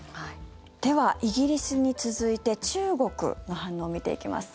では、イギリスに続いて中国の反応を見ていきます。